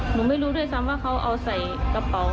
หนูไม่รู้ด้วยซ้ำว่าเขาเอาใส่กระเป๋า